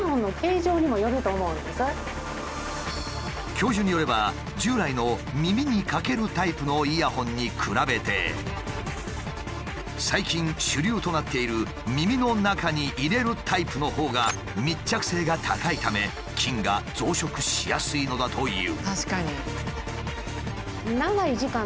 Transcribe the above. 教授によれば従来の耳に掛けるタイプのイヤホンに比べて最近主流となっている耳の中に入れるタイプのほうが密着性が高いため菌が増殖しやすいのだという。